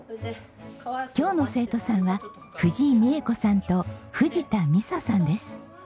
今日の生徒さんは藤井実江子さんと藤田美佐さんです。